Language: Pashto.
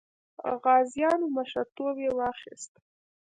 غازیانو مشرتوب یې واخیست.